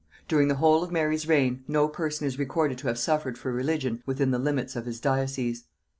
During the whole of Mary's reign, no person is recorded to have suffered for religion within the limits of his diocess.